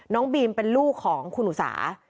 น้องบีมเป็นลูกของคุณอุสา